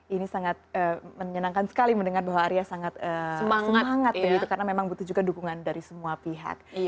ini sangat menyenangkan sekali mendengar bahwa arya sangat semangat karena memang butuh juga dukungan dari semua pihak